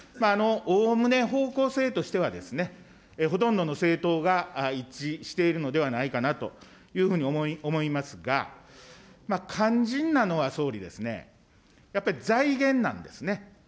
おおむね方向性としては、ほとんどの政党が一致しているのではないかなというふうに思いますが、肝心なのは総理ですね、やっぱり財源なんですね。